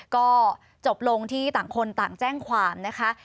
ก็จบลงที่ต่างคนต่างแจ้งความนะคะ